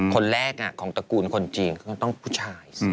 คนแรกของตระกูลคนจีนก็ต้องผู้ชาย